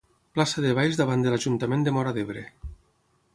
Plaça de baix davant de l'Ajuntament de Móra d'Ebre.